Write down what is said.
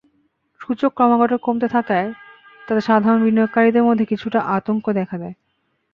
সূচক ক্রমাগত কমতে থাকায় তাতে সাধারণ বিনিয়োগকারীদের মধ্যে কিছুটা আতঙ্ক দেখা দেয়।